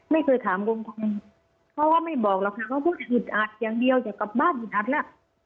ไม่เคยถามลุงพลเขาก็ไม่บอกหรอกค่ะเขาก็อึดอัดอย่างเดียวอย่ากลับบ้านอึดอัดแล้ว